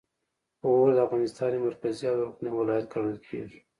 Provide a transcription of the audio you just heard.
غور د افغانستان یو مرکزي او لرغونی ولایت ګڼل کیږي